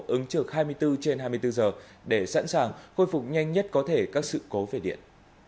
ứng trực hai mươi bốn trên hai mươi bốn giờ để sẵn sàng khôi phục nhanh nhất có thể các sự cố về điện